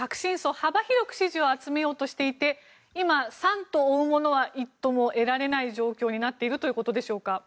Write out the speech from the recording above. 幅広く支持を集めようとしていて三兎を追うものは一兎も得られない状態になっているということでしょうか。